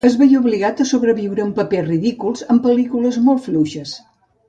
Es veié obligat a sobreviure amb papers ridículs, en pel·lícules molt fluixes.